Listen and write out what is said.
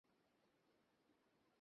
আমার এখানে থাকা উচিত ছিল।